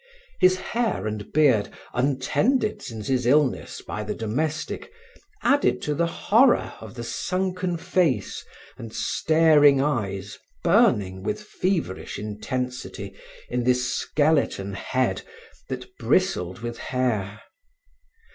His hair and beard, untended since his illness by the domestic, added to the horror of the sunken face and staring eyes burning with feverish intensity in this skeleton head that bristled with hair.